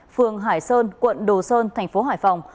phường hải sơn quận đồ sơn tp hải phòng